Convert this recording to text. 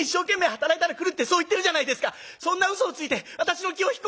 そんなうそをついて私の気を引こうなんて」。